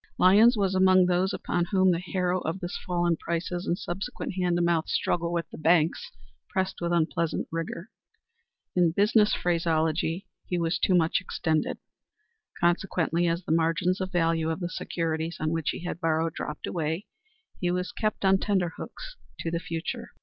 Lyons was among those upon whom the harrow of this fall in prices and subsequent hand to mouth struggle with the banks pressed with unpleasant rigor. In business phraseology he was too much extended. Consequently, as the margins of value of the securities on which he had borrowed dropped away, he was kept on tenter hooks as to the future.